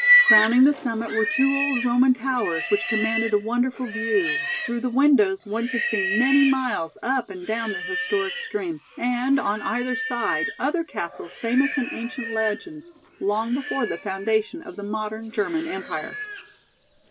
Crowning the summit were two old Roman towers which commanded a wonderful view; through the windows one could see many miles up and down the historic stream and on either side other castles famous in ancient legends long before the foundation of the modern German empire.